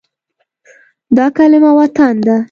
دا کلمه “وطن” ده.